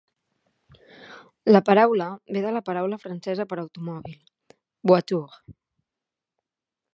La paraula ve de la paraula francesa per "automòbil", "voiture".